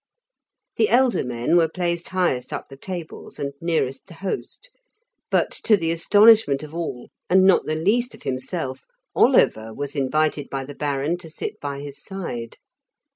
The elder men were placed highest up the tables, and nearest the host, but to the astonishment of all, and not the least of himself, Oliver was invited by the Baron to sit by his side.